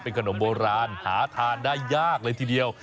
ขนมโบราณหาทานได้ยากเลยทีเดียว